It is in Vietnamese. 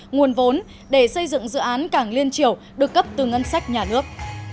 nguồn vốn để xây dựng dự án cảng liên triều được cấp từ ngân sách nhà nước